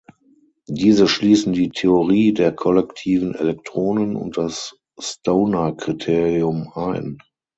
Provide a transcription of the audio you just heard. Diese schließen die Theorie der kollektiven Elektronen und das Stoner-Kriterium ein.